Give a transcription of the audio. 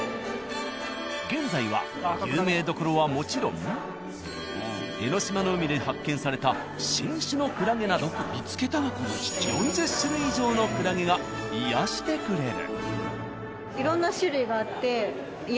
現在は有名どころはもちろん江ノ島の海で発見された新種のクラゲなど４０種類以上のクラゲが癒やしてくれる。